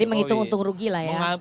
jadi menghitung untung rugi lah ya